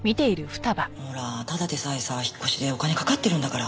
ほらただでさえさ引っ越しでお金かかってるんだから。